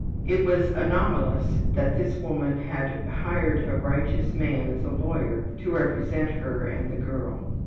'' It was anomalous that this woman had hired a righteous man as a lawyer to represent her and the girl.